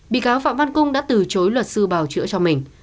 bị cáo phạm văn cung đã từ chối luật sư bào chữa cho mình